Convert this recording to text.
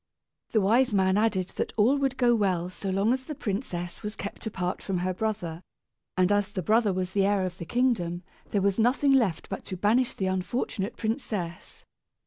The wise man added that all would go well so long as the princess was kept apart from her brother, and as the brother was the heir of the kingdom, there was nothing left but to banish the unfortunate princess.